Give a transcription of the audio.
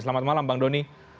selamat malam bang doni